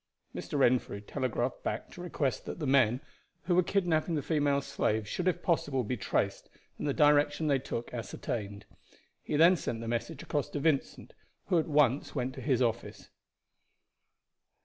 Mr. Renfrew telegraphed back to request that the men, who were kidnaping the female slave, should if possible be traced and the direction they took ascertained. He then sent the message across to Vincent, who at once went to his office.